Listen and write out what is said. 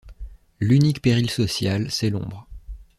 L’unique péril social, c’est l’Ombre.